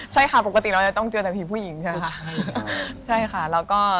ไม่กลายนอนคนเดียวอีกเลย